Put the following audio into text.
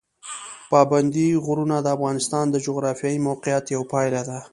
پابندي غرونه د افغانستان د جغرافیایي موقیعت یوه پایله ده.